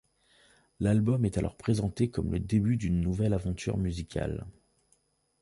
L'album est alors présenté comme le début d'une nouvelle aventure musicale.